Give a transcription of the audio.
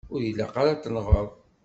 Ur ilaq ara ad tenɣeḍ.